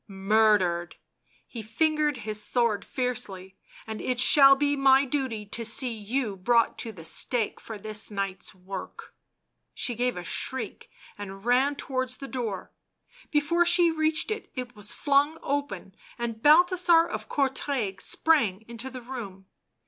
" Murdered !" He fingered his sword fiercely. " And it shall be my duty to see you brought to the stake for this night's work." She gave a shriek and ran towards the door. Before she reached it, it was flung open, and Balthasar of Courtrai sprang into the room.